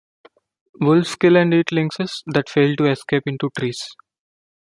Wolves kill and eat lynxes that fail to escape into trees.